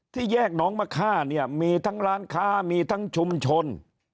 แยกหนองมะค่าเนี่ยมีทั้งร้านค้ามีทั้งชุมชน